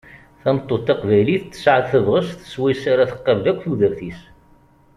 Tameṭṭut taqbaylit, tesɛa tabɣest s wayes ara tqabel akk tudert-is.